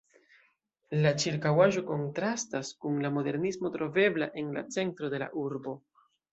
La ĉirkaŭaĵo kontrastas kun la modernismo trovebla en la centro de la urbo.